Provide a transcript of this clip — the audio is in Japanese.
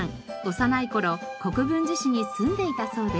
幼い頃国分寺市に住んでいたそうです。